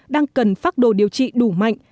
đang cần phác đồ điều trị đủ mạnh